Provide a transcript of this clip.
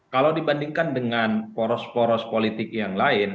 kalau dibandingkan dengan poros poros politik yang lain